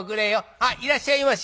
あっいらっしゃいまし。